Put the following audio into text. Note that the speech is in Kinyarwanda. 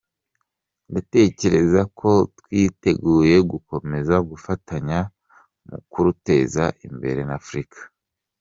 Ndatekereza ko twiteguye gukomeza gufatanya mu kuruteza imbere na Afurika.